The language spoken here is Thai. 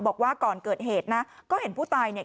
บอกว่าก่อนเกิดเหตุนะก็เห็นผู้ตายเนี่ย